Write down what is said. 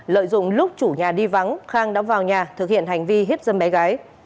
lợi dụng lúc chủ nhà đi vắng khang đã vào nhà thực hiện hành vi hiếp dâm bé gái